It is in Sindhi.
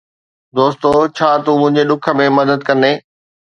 دوستو، ڇا تون منهنجي ڏک ۾ مدد ڪندين؟